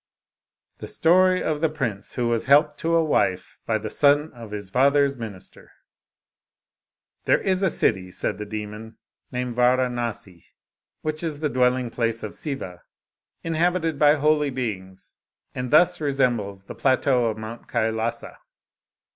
STORY OF THE PRINCE, WHO WAS HELPED TO A WIFE BY THE SON OF HIS FATHER'S MINISTER There is a city (said the demon) named Varanasi, which is the dwelling place of Siva, inhabited by holy beings, and thus resembles the plateau of Mount Kailasa.